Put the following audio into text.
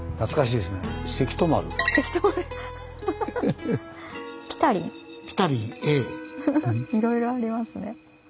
いろいろありますね。